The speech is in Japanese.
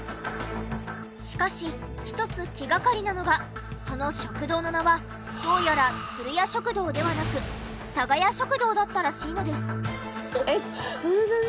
しかし１つ気がかりなのがその食堂の名はどうやらつるや食堂ではなくさがや食堂だったらしいのです。